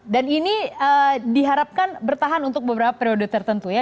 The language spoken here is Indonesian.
dan ini diharapkan bertahan untuk beberapa periode tertentu ya